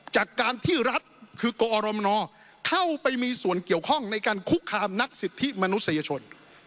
จากการที่รัฐคือกอรมนเข้าไปมีส่วนเกี่ยวข้องในการคุกคามนักสิทธิมนุษยชน